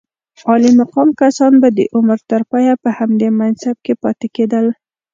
عالي مقام کسان به د عمر تر پایه په همدې منصب کې پاتې کېدل.